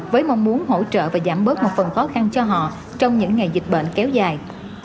với mong muốn hỗ trợ và giảm bớt một phần khó khăn cho họ trong những ngày dịch bệnh kéo dài